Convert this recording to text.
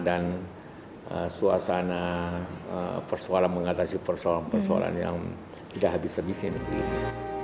dan suasana persoalan mengatasi persoalan persoalan yang tidak habis sedih di sini